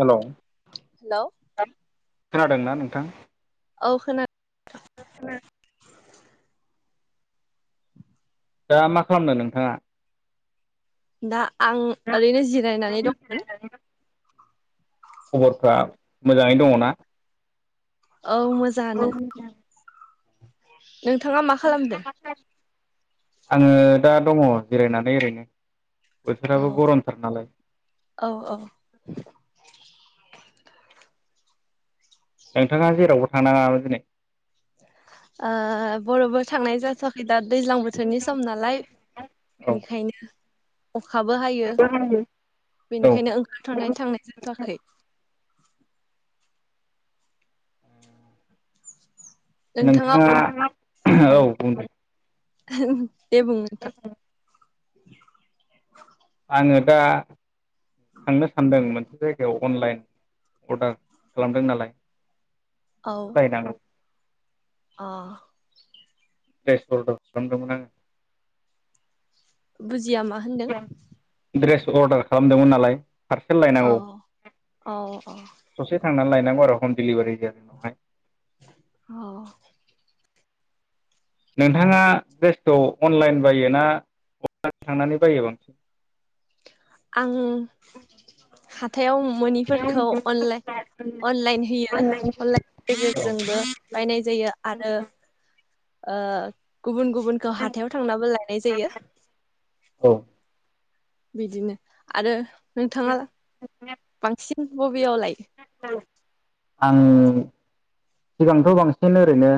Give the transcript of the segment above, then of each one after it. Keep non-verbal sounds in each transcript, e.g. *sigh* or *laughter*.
Hello hello खोनादों ना नोंथां? औ खोनाद दा मा खालामनो नोंथाङा? दा आं ओरैनो जिरायनानै दंमोन। खबरफ्रा मोजाङै दङना? औ मोजांङानो। नोंथाङा मा खालामदो? आंङो दा दंङ जिरायनानै ओरैनो औ बोथोराबो गरमथार नालाय औ औ ओ नोंथाङा जेरावबो थांनाङामोन दिनै ओ बरावबो थांनाय जाथवाखै दा दैज्लां बोथोरनि सम नालाय औ बेनिखायनो अखाबो हायो औ बेनिखायनो ओंखारथनाय थांनाय जाथवाखै नोंथाङा औ बुंदों *unintelligible* दे बुं नोंथां *unintelligible* आङो दा थांनो सानदों मोनसे जायगायाव अनलाइन अर्डार खालामदों नालाय बेखौ लायनांगौ अह *unintelligible* बुजिया मा होनदों द्रेस अर्डार खालामदोंमोन नालाय पार्सेल औ लायनांगौ औ औ ससे थांनानै लायांगौ आरो हम डिलिभारि जागोनावहाय औ नोंथाङा द्रेसखौ अनलाइन बायो ना बहाबा थांनानै बायो बांसिन आं हाथायाव मोनिफोरखौ अनलाइ अनलाइन होयो अनलाइननि औ गेजेरजोंबो बायनाय जायो आरो ओ गुबुन गुबुनखौ हाथायाव थांनाबो लानाय जायो औ बिदिनो आरो नोंथाङा बांसिन *unintelligible* बेयावलाय आं सिगांथ बांसिन ओरैनो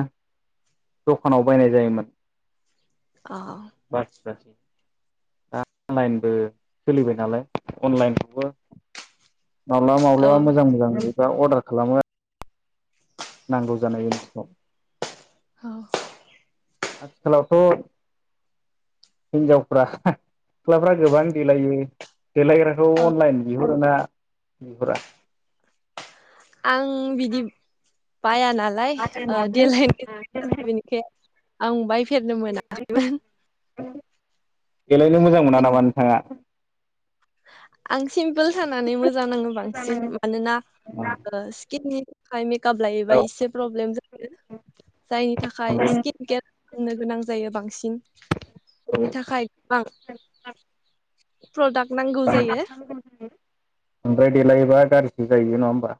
दखानाव बायनाय जायोमोन अ बायनाय जायोमोन दा अनलायेनबो सोलिबाय नालाय अनलायेनखौबो माब्लाबा औ माब्लाबा मोजां मोजां नुयो दा अर्दार खालामो आरो नांगौ जानाय *unintelligible* औ आथिखालावथ हिनजावफ्रा सिख्लाफ्रा गोबां देलायो देलायग्राखौ औ अनलाइन बियो *unintelligible* आं बिदि बायानालाय ओ देलायनो बेनिखाय आं बाय फेरनो मोनाखैमोन देलायनो मोजां मोना नामा नोंथाङा? आं सिमपोल थानानै मोजां नाङो बांसिन मानोना ओ स्किननि *unintelligible* गाबलायोबा औ एसे प्रब्लेम जायो जायनि थाखाय स्किन केयार खालामनो गोनां जायो बांसिन औ बेनि थाखाय गोबां *unintelligible* नांगौ *unintelligible* जायो ओमफ्राय देलायोबा गा जि जायो नङा होमबा?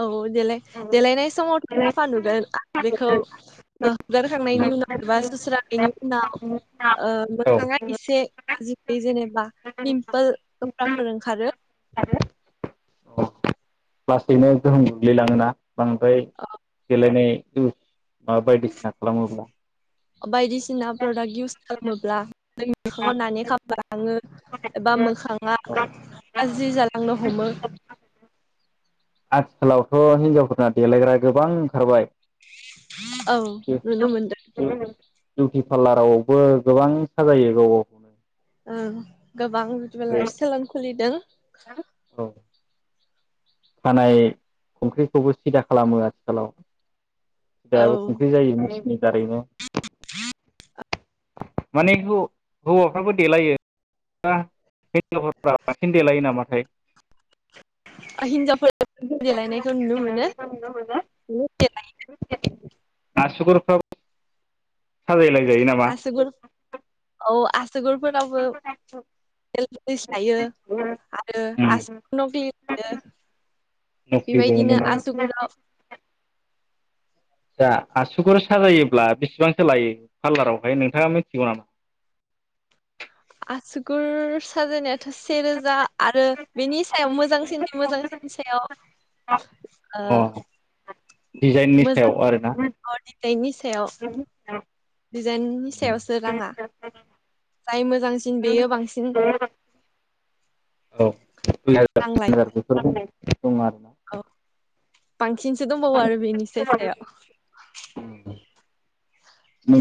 औ औ देलाय-देलायनाय समावथ' साफा नुगोन आरो बेखौ औ हुगारखांनायनि उनाव एबा सुस्रांनायनि उनाव ओ मोखाङा एसे बे जोंनो पिम्पोल दफ्रा फोर ओंखारो *unintelligible* बांद्राय देलायनाय *unintelligible* मा बायदिसिना खालामोब्ला अ बायदिस सिना प्रदाक इउस खालामोब्ला जोंनि मोखाङाव नानेखा बाङो एबा मोखाङा गाज्रि जाला लांनो हमो आथिखालावथ' हिनजावफोरना देलायग्रा गोबां ओंखारबाय औ नुनो मोनदों बिउटि पार्लारावबो गोबां साजायो गावगाव ओं गोबां *unintelligible* *unintelligible* औ खानाय खंख्रिखौबो सिदा खालामो आथिखालाव औ *unintelligible* माने हौ-हौवाफ्राबो देलायो *unintelligible* बांसिन देलायो नामाथाय? ओ हिनजावफोर देलायनायखौ नुनो मोनो बिदिनो देलायो आसुगुरफ्राव साजाय लायजायो नामा? आसुगुर औ आसुगुरफोरावबो। निल पलिसलायो आरो आसुगुरफोरनाव *inaudible* नखलि बो‌ मोनो‌ ना *inaudible* जा आसुगुर साजायोब्ला बेसेबांसो लायो पार्लारावहाय नोंथाङा मिथिगौ नामा? आसुगुर साजाय नाया थ' सेे रोजा आरो बेनि सायाव मोजांसिननि मोजांसिननि सायाव। *inaudible* ओ दिडिजाइननि मोजां सायाव आरोना ओ औ। दिडिजाइननि सायावसो राङा जाय मोजांसिन बेयो बांसिन रां लायो। बेफोरखौ‌ खामनाय *inaudible* दं आरो ना? औ बांसिनसो दंबावो आरो बेनिसाय सायाव।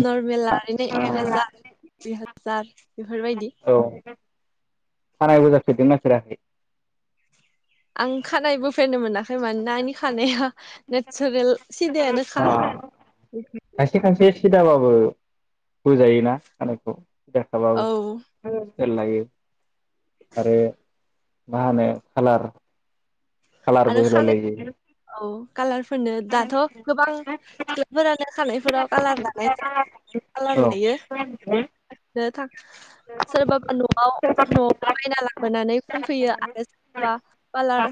नर्मेल ला यानो एक हाजार दुय हाजार। ज *inaudible* बेफोरबायदि। खानाय बोजा फेरदों ना फेराखै? आं खानाय बोफेरनो मोना खै मानोना आंनि खानाया नेचारेल सिदायानोखा। खायसे खायसे सिदाबाबो बोजायोना खानायखौ। सिदा गानबाबो औ *inaudible* फोर लायो आरो मा होनो खालार। आरो खालारबो होलाय खानाय लायो। औ कालारफोरनो दाथ' गोबां सिख्लाफोरानो खानायफोराव कालार लानाय कालार औ लायो। थां सोरबाबा न'आव न'आवनो बायना लाबोनानै फोनफैयो आरो सोरबा पालार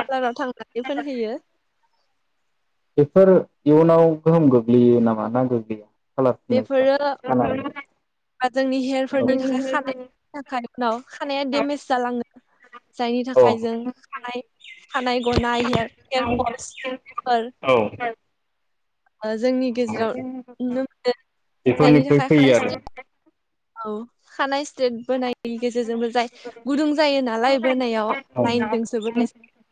पार्लाराव थांनानै फोनहैयो। बेफोर इयुनाव गोहोम गोग्लैयो नामा ना गोग्लै बेफोरो ओ जोंनि हेयारफोरनि थाखाय खानानै? खानायफोरनि थाखाय उनाव खानाया डेमेज जालाङो जायनि औ थाखाय जों खानाय खानाय गनाय हेयार हेयार फलस फोर। औ ओ जोंनि गेजेराव नुनो मोनदों जायनि बेफोरनिफ्राय थाखाय फैयो खानाय आरो सिथ्रि *inaudible* औ खानाय स्ट्रेट बोनाय नि गेजेरजोंबो जाय गुदुं जायो नालाय बोनायाव लाइनजोंसो बोनाय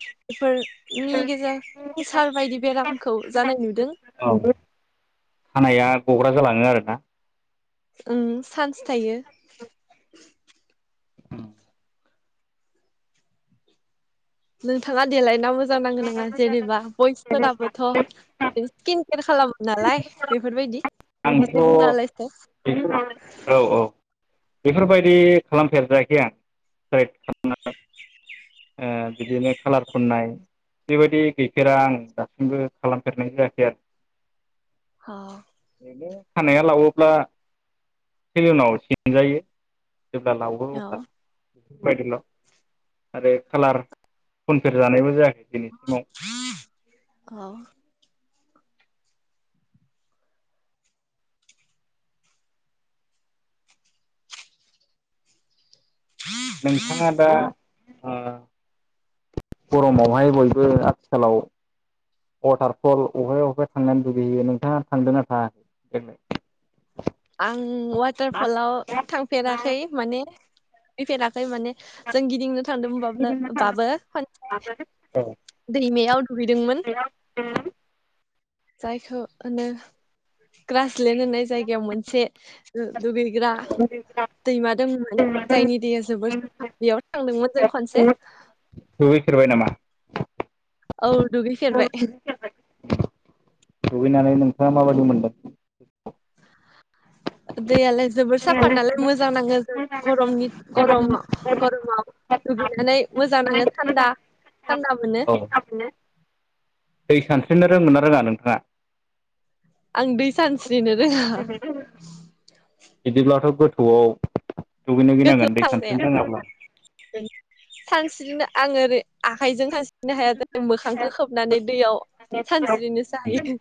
बेफोरनि गेजेर केन्सार बायदि बेरामखौ जानाय नुदों। औ खानाया गग्रा जालाङो आरोना ओं चान्स थायो उम नोंथांङा देलायना मो जां नांङो नाङा जेनेबा बयसफोराबोथ स्किन केयार खालामो नालाय बेफोरबायदि आंथ एसे बुंना होलायसाय बेफोर औ औ बेफोरबायदि खालामफेर जायाखै आं साइ ओ बिदिनो खालार फुननाय बेबायदि गैफेरा आं दासिमबो खालामफेरनाय जायाखै आरो औ *unintelligible* खानाया लावोब्ला सेलुनाव सिनजायो जेब्ला लावो औ अब्ला बायदिल आरो कालार फनफेर जानायबो जाया *unintelligible* औ नोंथांङा दा गरमावहाय बयबो आथिखालाव वाटारफल अहायबा अहायबा थांनानै लुगैहैयो नोंथांङा थांदोंना थांङाखै आं वाटारफलाव थांफेराखै माने सै फेराखै माने जों गिदिंनो थांदोंमोनबाब्लो बाबो खोनसे औ दैमायाव दुगैदोंमोन जायखौनो ग्रासलेण्ड होननाय जायगायाव मोन से दुगैग्रा दैमा दंमोन जायनि दैया जोबोर साफा बेयाव थांदोंमोन जों खनसे दुगैफेरबाय नामा औ दुगै फेरबाय दुगैनानै नोंथांङा माबायदि मोनदों दैयालाय जोबोर साफा नालाय मोजां नांङो जो गरमनि गरमा गरमाव दुगैनानै मोजां नांङो थान्दा थान्दा मोनो औ दै सानस्रिनो रोंगोना रोंङा नोंथांङा आं दै सानस्रिनो रोंङा बिदिब्लाथ गोथौआव दुगैनो गोथौ गिनांगोन दै थांनाया सानस्रिनो रोंङाब्ला स्रिनो आं ओरै आखाइजों सान स्रिनो हाया *unintelligible* मोखांखौ खोबनानै दैयाव सानस्रिनोसो हायो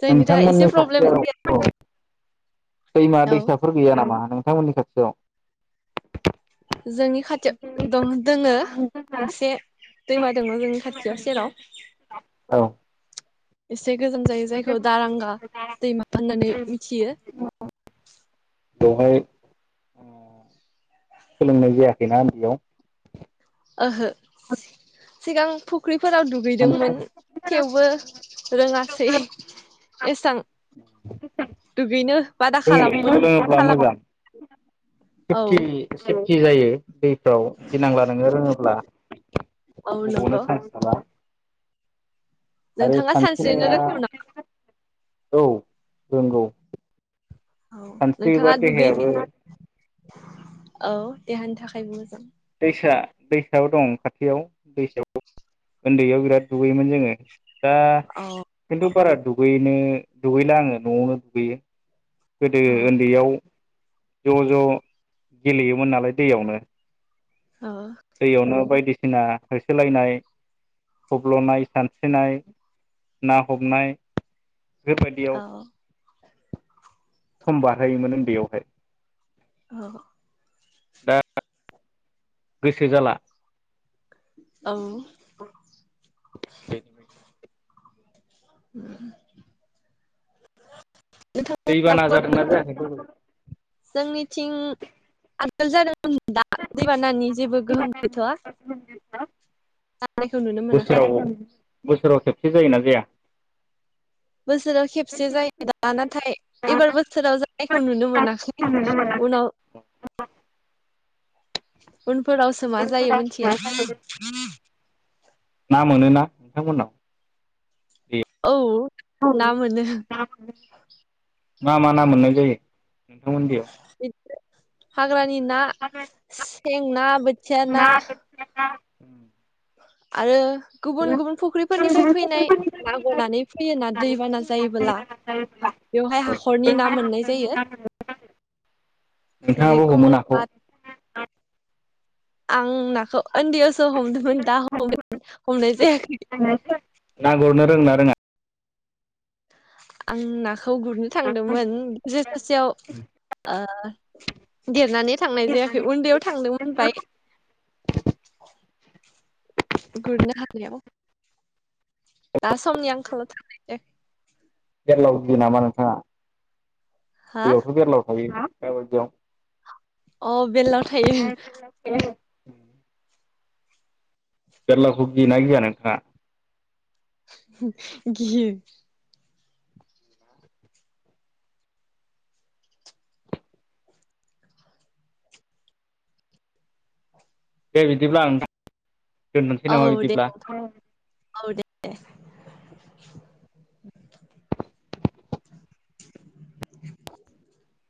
जायनि थाखाय नोंथांमोननि एसे प्रब्लेम *inaudible* दैमा औ दैसाफोर गैया नामा। थांमोननि खाथियाव। जोंनि खाथियाव दं दोङो गंसे दैमा दङ जोंनि खाथियाव सेराव। औ से गोजान जायो जायखौ दारांगा दैमा होननानै मिथियो। बेवहाय सोलोंनाय जायाखैना उन्दैयाव। ओहो। सिगां फुख्रि फोराव दुगैदोंमोन सानस्रिनो थेवबो रोङासै एसां। दुगैनो। बादा जों खालामोन सोलोङोब्ला खालाम मोजां औ *inaudible* जायो। दैफ्राव गिनांला नोङो रोङोब्ला औ नंगौ गबनो चान्स थाला। आरो नोंथाङा सानस्रिनो सानस्रिनाया। रोंगौ औ रोंगौ। नामा औ सानस्रियोबा नोंथाङा दुगै देहायाबो। औ देहानि थाखायबो मोजां। दैसा दैसायाव दं खाथियाव दैसायाव ओनदैयाव बिराद दुगैयोमोन जोङो। दा औ खिन्थु बारा दुगैनो दुगैला आङो न'आवनो दुगैयो। गोदो औ ओन्दैयाव। ज' ज' गेलेयोमोन नालाय दैयावनो। औ दैयावनो बायदिसि सिना होसोलायनाय थब्ल'नाय सानस्रिनाय ना हमनाय। बेबायदियाव। औ सम बारहोयोमोन ओन्दैयावहाय। औ। दा गोसो जाला। औ। *inaudible* दैबाना नोंथां जादोंना जायाखै। थिं आगोल जादों दा दैबानानि जेबो गोहोम गैथ'आ जानायखौ नुनो मोनाखै। बोसोराव बोसोराव खेबसे जायोना जाया बोसोराव खेबसे जायो दा नाथाय एबार बोसोराव जानायखौ नुनो मोनाखै उनाव *inaudible* उनफोरावसो मा जायो मोनथिया ना मोनोना नोंथांमोननाव? औ औ ना मोनो ना मोनो मा मा ना मोननाय जायो? नोंथां मोननियाव हाग्रानि ना सेें ना बोथिया ना उम आरो गुबुन गुबुन फुख्रिफोरनिफ्राय फैनाय ना गनानै फैयो ना दैबाना जायोबोला बेवहाय हाखरनि ना मोननाय जायो जेरै नोंथाङाबो हमो नाखौ कमलकात आं नाखौ उन्दैयावसो हम दा हम हमनाय जायाखै ना गुरनो रोङोना रोङा आं ना खौ गुरनो थांदोंमोन गेजेर ससेयाव ओ देरनानै थांनाय जायाखै उन्दैयाव थांदोंमोन ओमफाय गुरनो हानायाव दा समनि आंखालाव थांनाय जायाखै बेरलाव गियो नामा नोंथाङा? हा दैयावथ' बेरलाव थायो दाबायदियाव अ बेललाव थायो ओम बेरलावखौ गियोना गिया नोंथाङा *unintelligible* गियो दे बिदिब्ला नोंथां दोननोसै नामा बिदिब्ला ए *inaudible*